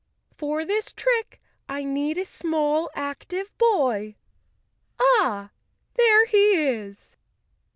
"For this trick I need a small, active boy. Ah, there he is!"